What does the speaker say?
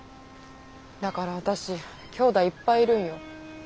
だから私きょうだいいっぱいいるんよ。